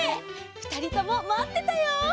ふたりともまってたよ。